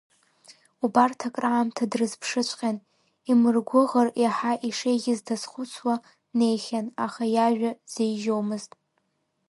Убарҭ акраамҭа дрызԥшыҵәҟьан, имыргәыӷыр иаҳа ишеиӷьыз дазхәыцуа днеихьан, аха иажәа дзеижьомызт.